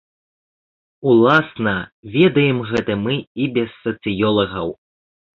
Уласна, ведаем гэта мы і без сацыёлагаў.